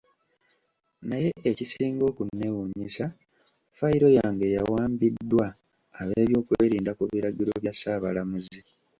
Naye ekisinga okunneewuunyisa fayiro yange yawambiddwa ab'ebyokwerinda ku biragiro bya Ssaabalamuzi.